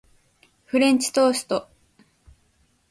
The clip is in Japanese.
フレンチトースト